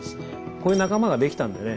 こういう仲間ができたんでね